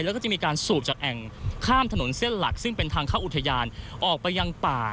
แล้วก็จะมีการสูบจากแอ่งข้ามถนนเส้นหลักซึ่งเป็นทางเข้าอุทยานออกไปยังป่า